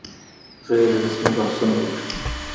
غیر رسمي بحثونه وکړي.